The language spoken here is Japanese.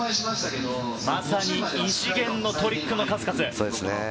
まさに異次元のトリックの数々。